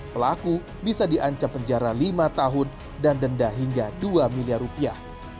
pelaku bisa diancam penjara lima tahun dan denda hingga dua miliar rupiah